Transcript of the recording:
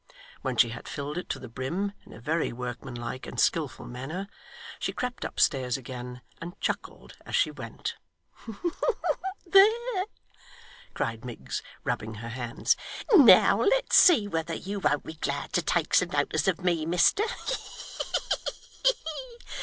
When she had filled it to the brim in a very workmanlike and skilful manner, she crept upstairs again, and chuckled as she went. 'There!' cried Miggs, rubbing her hands, 'now let's see whether you won't be glad to take some notice of me, mister.